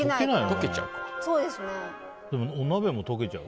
溶けちゃうか。